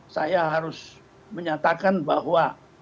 saya harus menyatakan bahwa